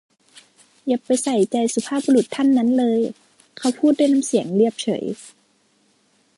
อย่าไปใส่ใจสุภาพบุรุษท่านนั้นเลย เขาพูดด้วยน้ำเสียงเรียบเฉย